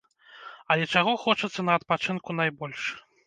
Але чаго хочацца на адпачынку найбольш?